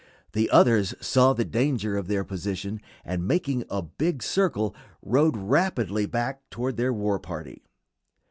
The others saw the danger of their position, and making a big circle rode rapidly back toward their war party.